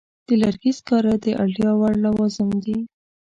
د لرګي سکاره د اړتیا وړ لوازم دي.